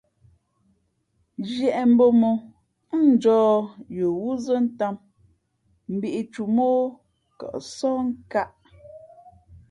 Zhiēʼ mbō mó ά njǒh yo wúzᾱ tām mbīʼtǔmά o kαʼsóh nkāʼ.